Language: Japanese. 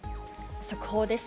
速報です。